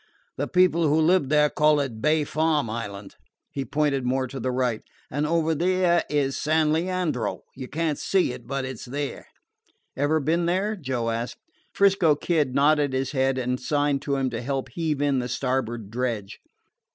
The people who live there call it Bay Farm Island." He pointed more to the right. "And over there is San Leandro. You can't see it, but it 's there." "Ever been there?" Joe asked. 'Frisco Kid nodded his head and signed to him to help heave in the starboard dredge.